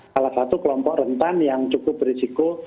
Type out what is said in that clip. salah satu kelompok rentan yang cukup berisiko